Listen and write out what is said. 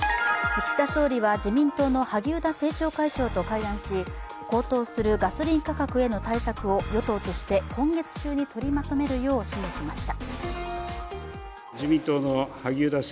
岸田総理は、自民党の萩生田政調会長と会談し高騰するガソリン価格への対策を与党として今月中にとりまとめるよう指示しました。